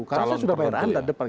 karena saya sudah bayaran di depan